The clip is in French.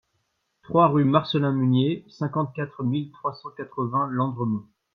trois rue Marcellin Munier, cinquante-quatre mille trois cent quatre-vingts Landremont